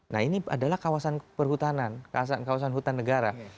nah ini adalah kawasan perhutanan kawasan hutan negara